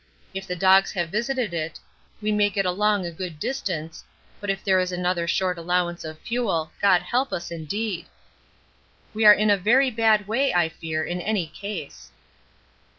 If the dogs have visited it we may get along a good distance, but if there is another short allowance of fuel, God help us indeed. We are in a very bad way, I fear, in any case.